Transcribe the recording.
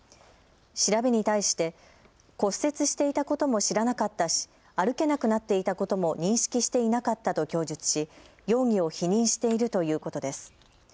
調べに対して骨折していたことも知らなかったし歩けなくなっていたことも認識していなかったと供述し容疑を否認しているということです。